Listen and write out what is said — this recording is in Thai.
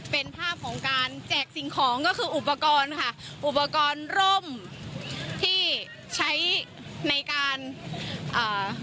เป็นภาพของการแจกสิ่งของก็คืออุปกรณ์ค่ะอุปกรณ์ร่มที่ใช้ในการอ่า